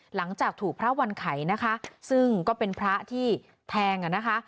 หลังจากถูกพระวันไขนะคะซึ่งก็เป็นพระที่แทงอ่ะนะคะ